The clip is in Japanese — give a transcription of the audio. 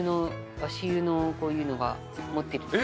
足湯のこういうのが持ってる。